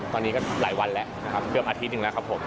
ตอนนี้ก็หลายวันแล้วนะครับเกือบอาทิตย์หนึ่งแล้วครับผม